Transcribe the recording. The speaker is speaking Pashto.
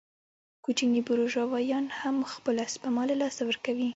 کوچني بورژوایان هم خپله سپما له لاسه ورکوي